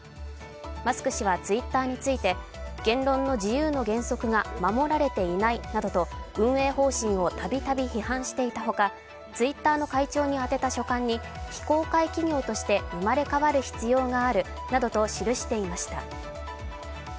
マスク氏はツイッターについて言論の自由の原則が守られていないと運営方針をたびたび批判していたほかツイッターの会長に充てた書簡に非公開企業として生まれ変わる必要があるなどと記していました。